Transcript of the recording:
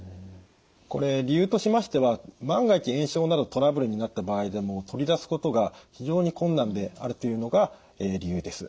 これ理由としましては万が一炎症などトラブルになった場合でも取り出すことが非常に困難であるというのが理由です。